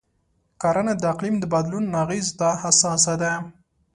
کرنه د اقلیم د بدلون اغېزو ته حساسه ده.